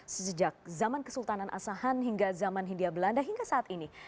sejak zaman kesultanan asahan hingga zaman hindia belanda hingga saat ini